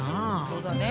そうだね。